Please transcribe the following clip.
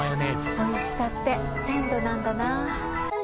おいしさって鮮度なんだな。